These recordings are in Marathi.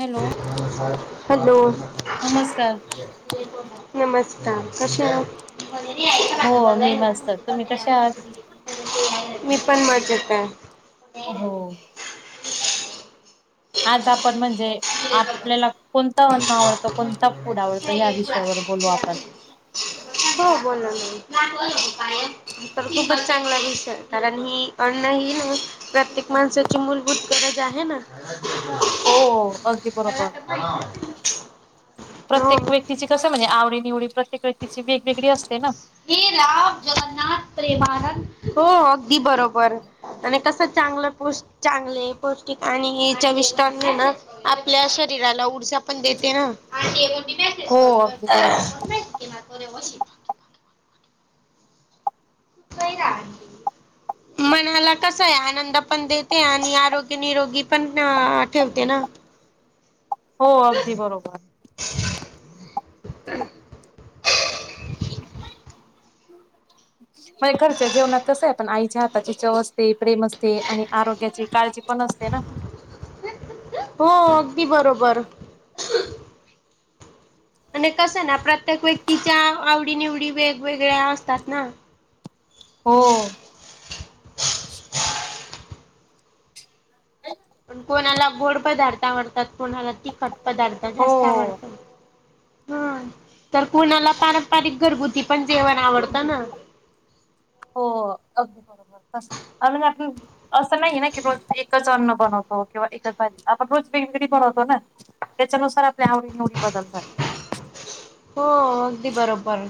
Hello hello. नमस्कार नमस्कार कशे आहात. का हो माून मी बदलायल. मस्त तुम्ही कशा आहात? [inaudible] मी पण मजेत हाय. हो. [inaudible] आज आपण म्हणजे. आपल्याला कोणत अन्न आवडतं कोणता फूड आवडतं ह्या विषयावर बोलू आपण. हो बोला [inaudible] नाही बत काय. तर खूपच चांगला दिस कारण ही अन्न ह न. प्रत्येक माणसाची मूलभूत गरज आहे ना. हो- हो अगदी बरोबर. प्रत्येक हो. व्यक्तीची कसं म्हणजे आवडी-निवडी, प्रत्येक व्यक्तीची वेगवेगळी असते ना. हे राम! जगन्नाथ, प्रेमानंद हो अगदी बरोबर. आणि कसं चांगलं पौष्टि चांगले पौष्टिक आणि हे चविष्ट्ण अन्न हे ना. आपल्या शरीराला ऊर्जा पण देते ना. आणि हो अगदी बरोबर [unintelligible] [unintelligible] [unintelligible] [inaudible] मनाला कसंय, आनंद पण देते आणि आरोग्य निरोगी पणं ठेवते ना. हो, अगदी बरोबर. [inaudible] [inaudible] [unintelligible] घरच्या जेवणात कसंय पण आईच्या हाताची चव असते, प्रेम असते आणि आरोग्याची काळजी पण असते ना. हो, अगदी बरोबर. आणि कसंय ना प्रत्येक व्यक्तीच्या आवडी -निवडी वेगवेगळ्या असतात ना. हो पण कोणाला गोड पदार्थ आवडतात, कोणाला तिखट पदार्थ हो जास्त हो आवडतात. हा, तर कोणाला पारंपरिक घरगुती पण जेवण आवडतं ना. हो अग [unintelligible] असं नाही नाहीये ना की रोज एकच अन्न बनवतो किंवा एकच भाजी, आपण रोज वेगवेगळी बनवतो ना. त्याच्यानुसार आपल्या आवडी-निवडी बदलतात. हो, अगदी बरोबर.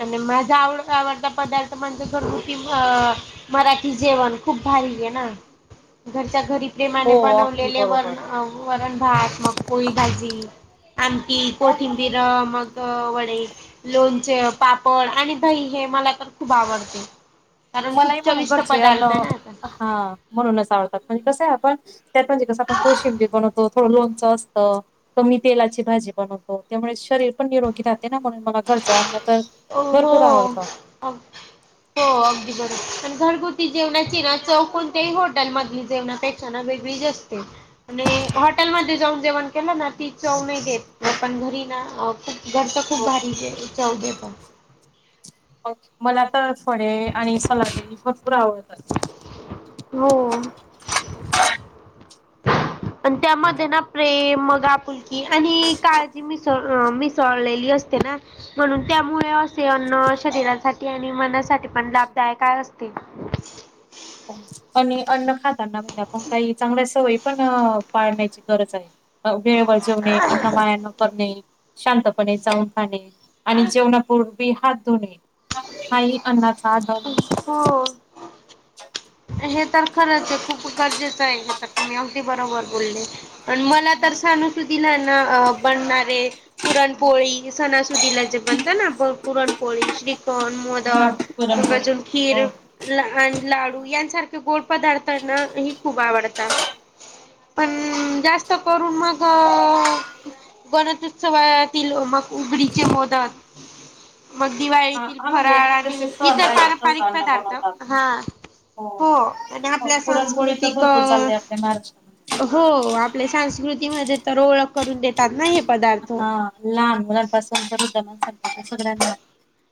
आणि माझा आवड-आवडता पदार्थ म्हणजे घरगुती [unintelligible] मराठी जेवण, खूप भारीयेना घरच्या घरी. हो प्रेमाने अगदी बनवलेले [unintelligible] बरोबर. वरण भात, मग पोळी भाजी, आमटी, अ कोठिंबीरं मग व वडे, लोणचे, पापड आणि दही हे मला तर खूप आवडते. कारण खूप मलाही म्हणून चविष्ट घरचे अन्न पदार्थ आहे ना हा, म्हणूनच आवडतात पण कसंय आपण त्यात म्हणजे कसं आपण कोशिंबीर बनवतो थोडं लोणचं असतं, कमी तेलाची भाजी बनवतो, त्यामुळे शरीर पण निरोगी राहत. [unintelligible] अन्न तर हो भरपूर आवडतं. [inaudible] हो अगदी बरोबर पण घरगुती जेवणाची ना चव कोणत्याही हॉटेलमधली जेवणाचे चणा वेगळीच असते. आणि हॉटेलमध्ये जाऊन जेवण केलं ना ती चव नाही देत पण घरी ना खूप घरचं खूप हो [unintelligible] मला तर फडे आणि सलागिरी भरपूर आवडतात. हो आणि त्यामध्ये ना प्रेम मग आपुलकी आणि काळजी मिसळ-मिसळलेली अस ते ना म्हणून त्यामुळे असे अन्न शरीरासाठी आणि मनासाठी पण लाभदायक असतील. आणि अन्न खाताना म्हणजे आपण काही चांगल्या सवयी पण पाळण्याची गरज आहे. अवघे वर जेवणे, अन्न वाया न करणे. शांतपणे चाऊन खाणे आणि जेवणापूर्वी हात धुणे हा अन्नाचा आदक हो हे तर खरंच आहे. खूप गरजेचे हे. तर तुम्ही अगदी बरोबर बोलली. पण मला तर सणासुदिला ना बनणारे पुरणपोळी सणासुदीला जे बनतं ना. पुरणपोळी, श्रीखंड हा मोदक, मग पुरणपोळी अजून खीर, हो. लहान लाडू यां सारखे गोड पदार्थना ही खूप आवडतात. पण, जास्त करून मग अ गणेशउत्सवातील मग उगडीचे मोदक मग हा दिवाळीतील हा म्हणजे फराळ. जसे आणि सण इतर राहिले तसं पारंपारिक अन्न पदार्थ बनवतात. हा. हो आणि आपल्या पुरणपोळी तर सांस्कृतिक भरपूर चालते आपल्या महाराष्ट्रामध्ये. हो. आपल्या सास्कृतीमध्ये तर ओळख करून देतात ना हे पदार्थ. हम्म लहान मुलांपासून तर वृद्ध सगळ्यांना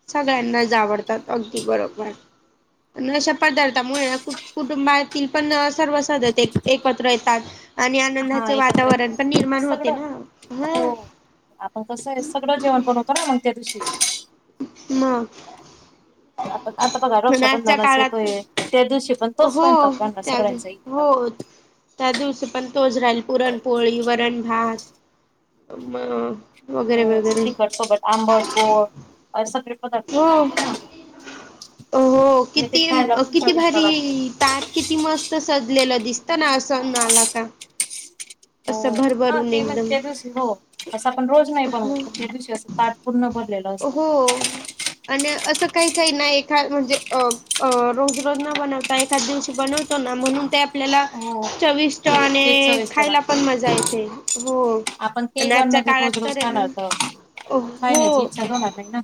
सगळ्यांनाच आवडतात अगदी बरोबर हाय. अशा पदार्थामुळे ना कुटुंबातील पण सर्व सदस एकत्र येतात. आणि हा आनंदाचे एकत्र वातावरण पण येतात. निर्माण होते सगळं ना. ह. हो आपण कसं आहे सगळं जेवण बनवतो ना. मग त्या दिवशी. मग. आता बघा. पण आजच्या रक्षाबंधनास काळात येतोय त्याच दिवशी पण तोच हो. स्वयंपाक राहणार त्यात सगळ्यांचा इथे हो. त्या दिवशी पण तोच राहील. पुरणपोळी, वरण भात, मग हो. तिखट सोबत आंबट, गोड असे सगळे पदार्थ बनत ना. अ हो. आणि ते किती, खायला पण किती चविष्ट भारी लागतात ताट किती मस्त सजलेलं दिसतं ना असं सण आला का. हो. असं हा. भरभरून ते म्हणजे एकदम त्या दिवशी हो. असं आपण रोज नाही हो बनवत. त्या दिवशी असं ताट पूर्ण भरलेलं असतं. हो आणि असं काही काही ना. ही एखा म्हणजे रोज रोज न बनवता. एखाद दिवशी बनव म्हणून ते आपल्याला हो चविष्ट ते तेच आणि चविष्ट खायला प लागतं पण मजा येते हो आपण आणि आजच्या काळात तर हाय ना काय नाही. हो इच्छाच होणार नाही ना.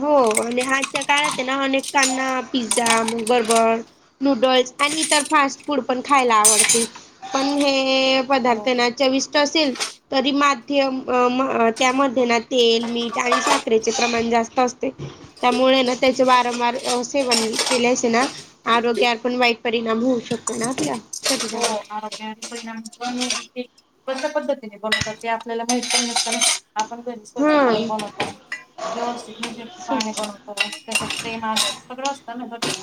हो आणि आजच्या काळात आहे ना. अनेकाना पिझ्झा, बर्गर नूडल्स आणि इतर फास्ट फूड पण खायला आवडते. पण हे हो पदार्थना चविष्ट असेल तरी माध्यम अ म त्यामध्ये ना तेल, मीठ आणि साखरेचे प्रमाण जास् स्त असते. त्यामुळे ना त्याचे वारंवार सेवन केल्याचे ना आरोग्यावर पण वाईट परिणाम होऊ शकतो ना. आपल्या शरीरात हो. आरोग्यावर परिणाम होते. पण कश्या पद्धतीने बनवतात ते आपल्याला माहित पण नसतं ना. आपण घरी स्वच्छ करून हा. बनवतो. व्यवस्थित म्हणजे पाणी भरून. हो. तस प्रेम, आदर सगळं असतं ना घरी.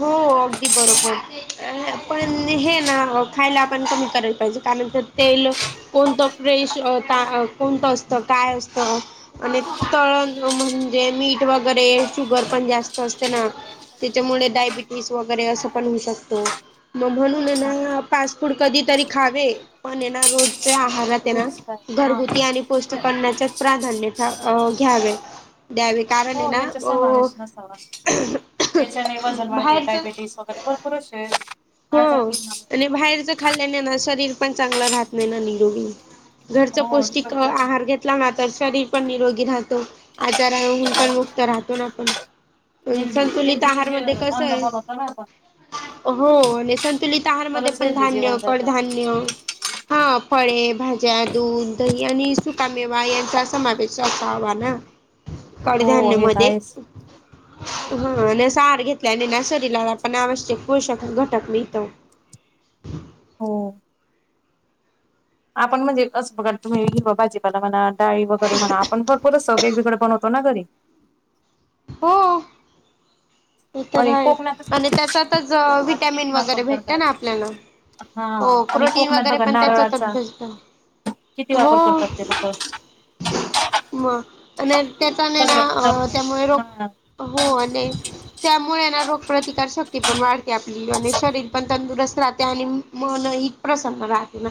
हो अगदी बरोबर. हा. पण हे ना. खायला आपण कमी करायला पाहिजे कारण ते तेल कोणतं फ्रेश. का कोणतं असतं. काय असत. आणि तळण म्हणजे मीठ वगैरे शुगर पण जास्त असते ना. त्याच्यामुळे डायबिटीज वगैरे असं पण होऊ शकतो. मग म्हणून आहे हा ना फास्ट फूड कधीतरी खावे. पण ये ना रोजचे आहारात ये ना रोज काय हा घरगुती आणि तर पौष्टिक अन्नाच प्राधान्यता घ्यावे द्यावे. कारण आहे हो. ना याचा समावेश नसावा. याच्याने वजन वाढते. बाहेरच डायबेटीज वगैरे भरपूर अशे हो आणि बाहेरच खाल्ल्याने ना शरीर पण चांगल राहत नाही ना निरोगी घरच हो पौष्टिक निरोगी राहते ना आहार घेत ला मात शरीर पण निरोगी राहतो आजाराहून पण मुक्त राहतो ना आपण संतुलित आहार मध्ये कस आहे मला का हो आणि संतुलित आहार मध्ये पण धान्य जेवण जातं कडधान्य हा फळे भाज्या दूध दही आणि सुकामेवा यांचा समावेश असावा ना हो कडधान्य हे तर मध्ये आहेच हा न सार घेतला आणि ना शरीराला पण आवश्यक पोषक घटक मिळतो हो आपण म्हणजे कसं ब तुम्ही भाजीपाला म्हणा डाळी वगैरे म्हणा आपण भरपूरच वेगवेगळे बनवत कल्पना करी पण हो तर आणि ह कोकणातच आणि त्याचा त्याचा नारळाचा किती विहटॅमिन वापर वगैरे भेटत ना करतात आपल्याला हा हो आणि प्रोटीन कोकणात वगैरे बघा पण त्याच त्याच नारळाचा होतात किती ब हो वापर करतात ते लोक मग आणि त्याचा न सगळा पदार्थ त्यामुळे रोग हा हो आणि त्यामुळे ना रोग प्रतिकार शक्ती ती पण वाढते आपली आणि शरीर पण तंदुरस्त राहते आणि मन ही प्रसन्न राहते ना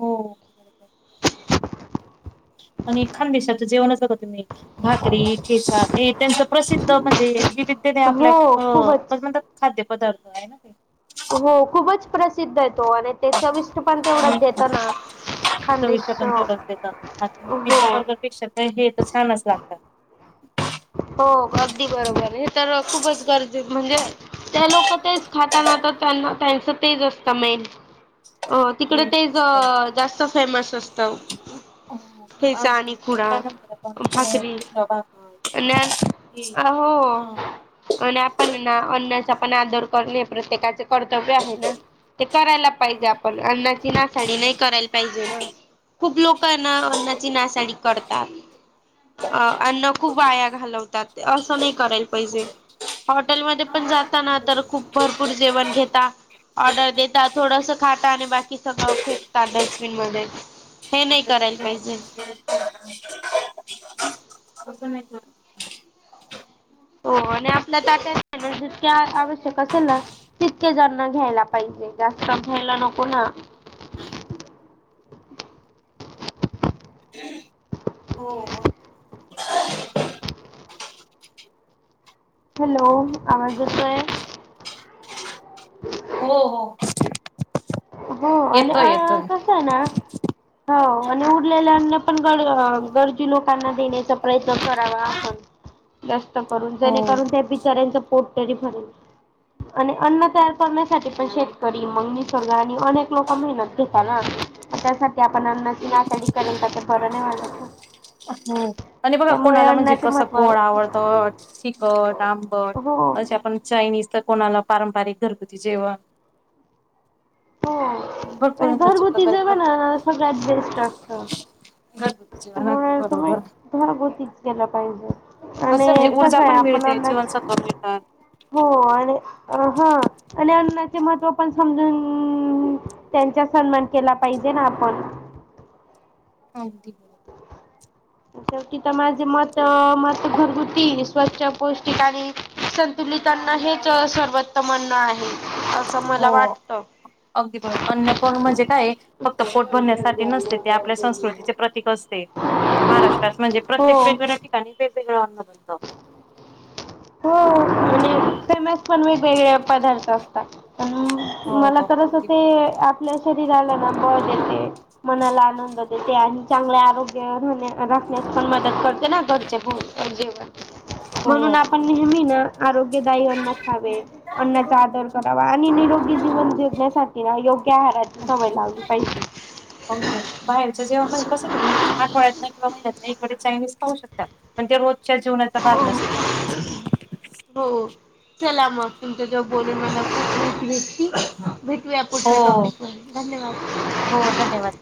हो आणि खाानदेशाच जेवणच तुम्ही भाकरी ठेचा हे त्यांच प्रसिद्ध म्हणजे विविधने आपल्या हो खूपच म्हणतात खाद्य पदार्थ आहे ना का हो खूपच प्रसिद्ध आहेेतो आणि त्या चविष्ट पण तेवढाच देतो ना चोवीस खानदेश टक्कनो देत तुम्ही हो बरोबर पेक्षा हे तर छानच लागतात हो अगदी बरोबर हे तर खूपच गरजेच म्हणजे ते लोक तेच खाताना तर त्यांना त्यांच तेच असत मेन अ मेन तिकडं ते तेच ज असतं. जास्त फेमस असत हो अजून ते त्यानंतर आपण बाग काय आहो आणि आपण ना अन्नाचा पण आदर करणे प्रत्येकाच कर्तव्य आहे ना ते करायला पाहिजे आपण अन्नाची नासाडी नाही करायला पाहिजे ना खूप लोक अ अन्नाची नासाडी करतात अ अन्न खूप वाया घालवतात अस नाही करायला पाहिजे हॉटेलमध्ये हा असं नाही जाताना तर खूप करत भरपूर जेवण घेता ऑर्डर देतात थोडस खाता आणि बाकी सगळ फेकतात डस्टबिन मध्ये हे नाही करायला पाहिजेल तुम्ही कर हो आणि आपल्या ताट्या जितक्या आवश्यक असेल ना तितके जणण घ्यायला पाहिजे जास्त घ्यायला नको ना हो हॅलो आवाज येतोय हो हो ह आणि येतोय आ येतोय कस आहे ना, हा आणि उरलेल्याना पण ग-गरजू लोकांना देण्याचा प्रयत्न करावा आपण. जास्त करून हो जेणेकरून त्या बिचाऱ्यांच पोट तरी भरेल, आणि अन्न तयार करण्यासाठी पण शेतकरी मग मी समजा आणि अनेक लोक मेहनत घेता ना. त्यासाठी आपण अन्नाची नासाडी करन त्याच बरं नाही वाटत ना. हम, आणि बघा त्यामुळे कोणाला म्हणजे अन्नाचे कसं गोड महत्त्व आवडतं. चिकट, आंबट, हो हो. अश्या पण चायनीज त कोणाला पारंपरिक घरगुती जेव भरपूर पण अन्नाचे घरगुती प्रकार आहेत ना. जेवण सगळ्यात बेस्ट असतं. घरगुती जेवण अगदी त्यामुळे तुम्ही, बरोबर [unintelligible] भोतीच केल पाहिजे. आणि म्हणजे ऊर्जा कसं आहे पण आपण मिळते हुनच, जीवनसत्व मिळतात. हो आणि, हा आणि अन्नाचे महत्त्व पण समजून, त्यांचा सन्मान केला पाहिजे ना आपण? हाव की. शेवटी तर माझे मत मत घरगुती स्वच्छ पौष्टिक आणि संतुलित अन्न हेच सर्वोत्त अन्न आहे असं मला हो वाटत. अगदी बरोबर अन्न पण म्हणजे काय ये, फक्त पोट भरण्यासाठी नसते ते आपल्या संस्कृतीचे प्र तीक असते, महाराष्ट्रात म्हणजे प्रत्येक हो. वेगवेगळ्या ठिकाणी वेगवेगळ आहार हो म्हणजे हो फेमस पण वेगवेगळे पदार्थ असतात, पण मला हो तर असं अगदी ते बरोबर. आपल्या शरीराला ना बळ देते. मनाला आनंद देते आणि चांगले आरोग्य राहण्या राखण्यास पण मदत करते ना घरचे बो प जेवण. म्हणून हो. आपण नेहमी बरोबर. ना आरोग्य दायी अन्न खा वे, अन्नाचा आदर करावा आणि निरोगी जीवन जिवण्यासाठी ना योग्य आहारा [unintelligible] बाहेरच जेवण म्हणजे कस तुम्ही आठड्यातन किंवा महिन्यातन एखादे चायनीज खाऊ शकता, पण ते रोज च्या जीवनाचा भाग नसतो पण. हो, चला मग तुमच्या जेव्हा बोलून मला खूप माहिती भेटली हा. भेटूया पुढच्या हो टॉपिकमध्ये धन्यवाद. हो धन्यवाद.